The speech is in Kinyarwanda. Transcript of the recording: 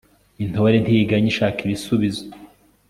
intore ntiganya ishaka ibisubizo